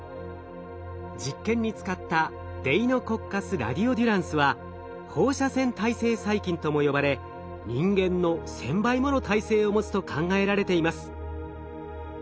実験に使ったデイノコッカス・ラディオデュランスは放射線耐性細菌とも呼ばれ人間の１，０００倍もの耐性を持つと考えられています。